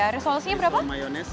ini mayonese dua ribuan